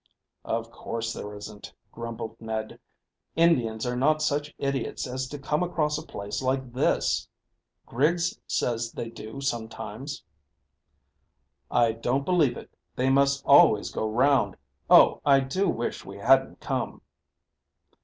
"Of course there isn't," grumbled Ned. "Indians are not such idiots as to come across a place like this." "Griggs says they do sometimes." "I don't believe it; they must always go round. Oh, I do wish we hadn't come."